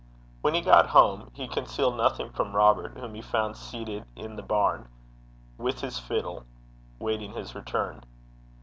When he got home, he concealed nothing from Robert, whom he found seated in the barn, with his fiddle, waiting his return.